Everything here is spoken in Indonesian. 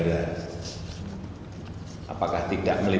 minta alih dari